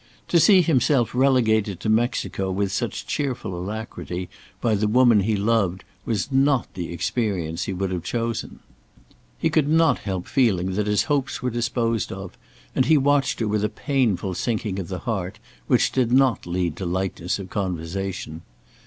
To see himself relegated to Mexico with such cheerful alacrity by the woman he loved was not the experience he would have chosen. He could not help feeling that his hopes were disposed of, and he watched her with a painful sinking of the heart, which did not lead to lightness of conversation.